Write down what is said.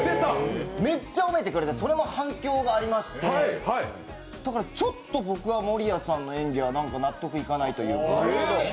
めっちゃ褒めてくれてそれも反響がありましてだから、ちょっと僕は守谷さんの演技は納得いかないというか。